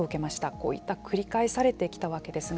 こういったことが繰り返されてきたわけですが。